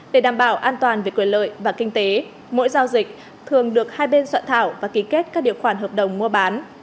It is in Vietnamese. để đảm bảo an toàn về quyền lợi và kinh tế mỗi giao dịch thường được hai bên soạn thảo và ký kết các điều khoản hợp đồng mua bán